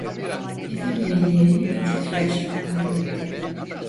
Ebeveynlerini küçük yaşta kaybetti.